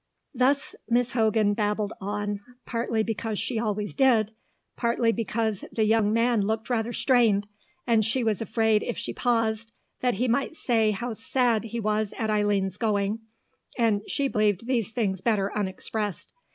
Thus Miss Hogan babbled on, partly because she always did, partly because the young man looked rather strained, and she was afraid if she paused that he might say how sad he was at Eileen's going, and she believed these things better unexpressed.